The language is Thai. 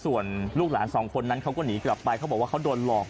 ส่วนลูกหลานสองคนนั้นเขาก็หนีกลับไปเขาบอกว่าเขาโดนหลอก